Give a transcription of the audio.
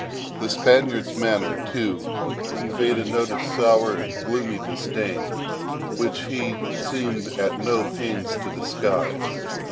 The Spaniard's manner, too, conveyed a sort of sour and gloomy disdain, which he seemed at no pains to disguise.